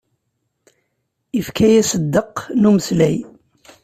Ifka-yas ddeq n umeslay.